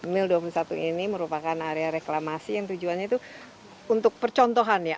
mil dua puluh satu ini merupakan area reklamasi yang tujuannya itu untuk percontohan ya